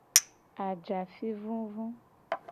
Ajafi vuvu.